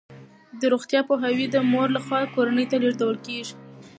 د روغتیا پوهاوی د مور لخوا کورنۍ ته لیږدول کیږي.